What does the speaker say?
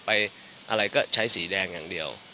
อะไรก็ใช้สีแดงอย่างเดียว